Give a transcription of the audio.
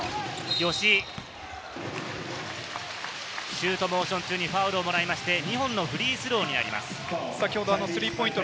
吉井、シュートモーション中にファウルをもらいまして、２本のフリースローになります。